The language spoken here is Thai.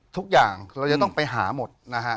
ทุกอย่างเราจะต้องไปหาหมดนะฮะ